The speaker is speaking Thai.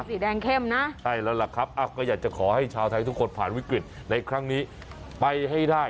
สูงเข้มนะสักครู่เลยครับก็อยากจะขอให้ชาวไทยทุกคนป่าญวิกฤตในครั้งนี้ไปให้ได้